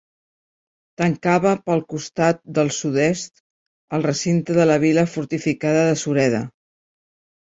Tancava pel costat de sud-est el recinte de la Vila fortificada de Sureda.